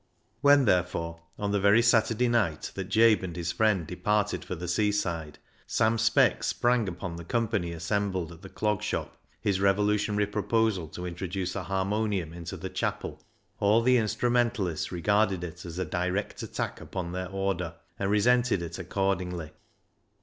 When, therefore, on the very Saturday night that Jabe and his friend departed for the seaside, Sam Speck sprang upon the company assembled at the Clog Shop his revolutionary proposal to introduce a harmonium into the chapel, all the instrumentalists regarded it as a direct attack upon their order, and resented it accordingly.